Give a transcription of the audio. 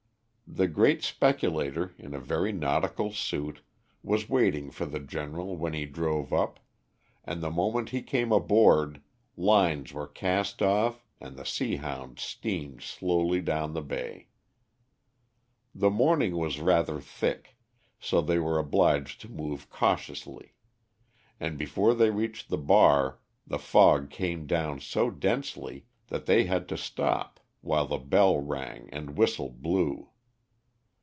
The great speculator, in a very nautical suit, was waiting for the General when he drove up, and, the moment he came aboard, lines were cast off and the Seahound steamed slowly down the bay. The morning was rather thick, so they were obliged to move cautiously, and before they reached the bar the fog came down so densely that they had to stop, while bell rang and whistle blew.